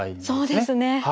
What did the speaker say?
そうですね。